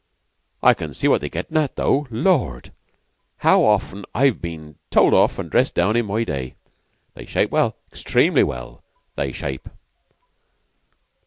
I can see what they're gettin' at, though. Lord! how often I've been told off an' dressed down in my day! They shape well extremely well they shape."